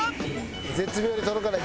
絶妙に届かない。